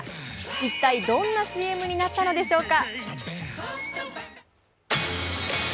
一体、どんなＣＭになったのでしょうか？